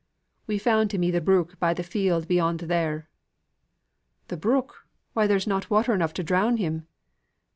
"We found him i' th' brook in the field beyond there." "Th' brook! why there's not water enough to drown him!"